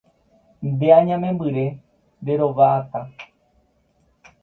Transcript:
¡Ne añamembyre, nderova'atã!